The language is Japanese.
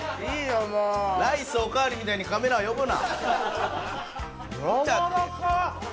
ライスおかわりみたいにカメラを呼ぶな！やわらかっ！